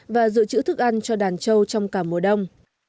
và dự trữ thức ăn cho đàn trâu trong cả mùa đông